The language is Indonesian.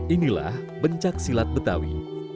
inilah bencak silat betawi